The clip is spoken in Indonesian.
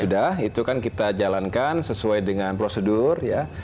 sudah itu kan kita jalankan sesuai dengan prosedur ya